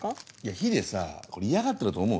ヒデさ嫌がってると思う？